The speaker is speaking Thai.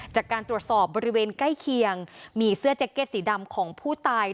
จากการตรวจสอบบริเวณใกล้เคียงมีเสื้อแจ็กเก็ตสีดำของผู้ตาย